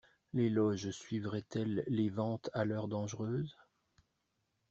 Les Loges suivraient-elles les Ventes à l'heure dangereuse?